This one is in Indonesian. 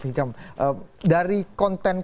hingkam dari konteks